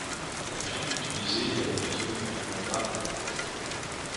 La viande utilisée est habituellement de lama ou bœuf.